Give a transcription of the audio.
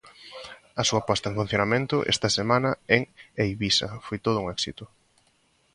A súa posta en funcionamento, esta semana en Eivisa, foi todo un éxito.